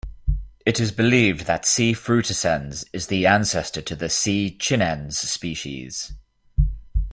It is believed that "C. frutescens" is the ancestor to the "C. chinense" species.